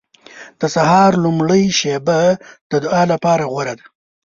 • د سهار لومړۍ شېبه د دعا لپاره غوره ده.